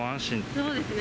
そうですね。